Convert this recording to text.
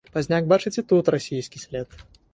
Пазняк бачыць і тут расійскі след.